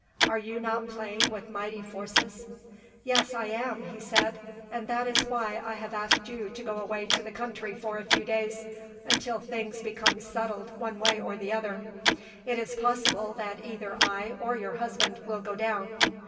"Are you not playing with mighty forces?" "Yes, I am," he said; "and that is why I have asked you to go away to the country for a few days, until things become settled one way or the other. It is possible that either I or your husband will go down.